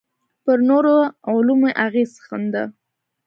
پر نورو علومو اغېز ښنده.